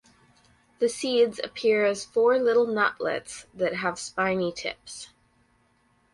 The seeds appear as four little nutlets that have spiny tips.